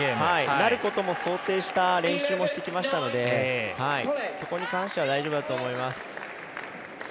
なることも想定した練習もしてきましたのでそこに関しては大丈夫だと思います。